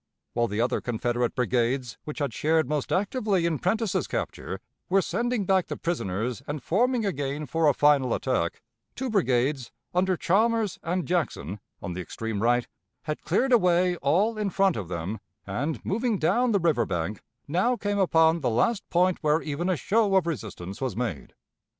While the other Confederate brigades, which had shared most actively in Prentiss's capture, were sending back the prisoners and forming again for a final attack, two brigades, under Chalmers and Jackson, on the extreme right, had cleared away all in front of them, and, moving down the river bank, now came upon the last point where even a show of resistance was made.